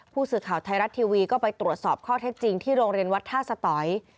ผู้สื่อข่าวไทยรัฐทีวีก็ไปตรวจสอบข้อเท็จจริงที่โรงเรียนวัดท่าสตอย